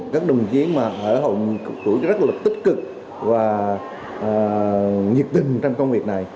các đồng chí ở hội người cao tuổi rất là tích cực và nhiệt tình trong công việc này